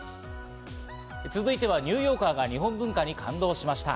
続いてはニューヨーカーが日本文化に感動しました。